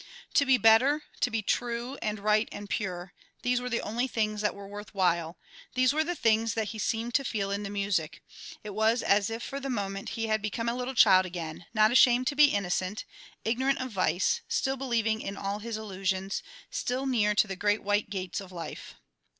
To be better, to be true and right and pure, these were the only things that were worth while, these were the things that he seemed to feel in the music. It was as if for the moment he had become a little child again, not ashamed to be innocent, ignorant of vice, still believing in all his illusions, still near to the great white gates of life.